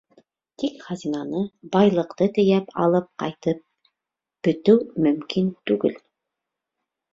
Тик хазинаны, байлыҡты тейәп алып ҡайтып бөтөү мөмкин түгел.